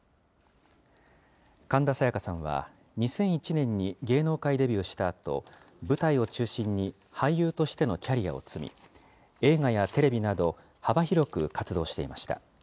神田沙也加さんは２００１年に芸能界デビューしたあと、舞台を中心に俳優としてのキャリアを積み、映画やテレビなど、幅広く活動していました。